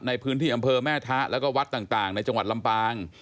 ในพื้นที่อำเภอแม่ทะแล้วก็วัดต่างในจังหวัดลำปาง